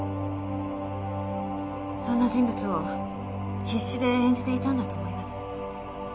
そんな人物を必死で演じていたんだと思います。